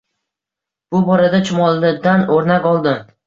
Bu borada chumolidan oʻrnak oldim